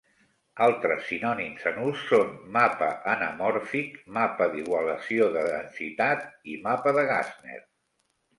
Altres sinònims en ús són "mapa anamòrfic", "mapa d'igualació de densitat" i "mapa de Gastner".